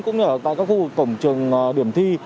cũng như ở tại các khu vực cổng trường điểm thi